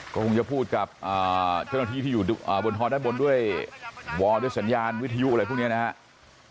ก็คงจะพูดกับเจ้าหน้าที่ที่อยู่บนทอด้านบนด้วยวอลด้วยสัญญาณวิทยุอะไรพวกนี้นะครับ